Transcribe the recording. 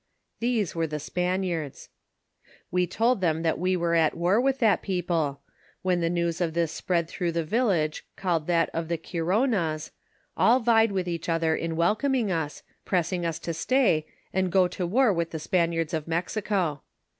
(These were the Spaniards.) We told them that we were at war with that people ; when the news of this spread through the village called that of the Kironas, all vied with each other in welcoming us, pressing us to stay, and go to war with the Spaniards of Mexico.